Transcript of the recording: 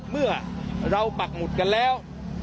เมื่อเราปักหมุดกันแล้ว